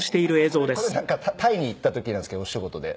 あっこれなんかタイに行った時なんですけどお仕事で。